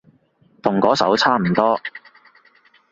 同嗰首差唔多